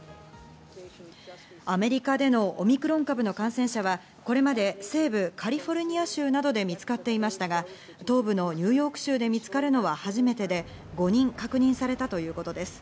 アメリカでのオミクロン株の感染者はこれまで西部カリフォルニア州などで見つかっていましたが、東部のニューヨーク州で見つかるのは初めてで、５人確認されたということです。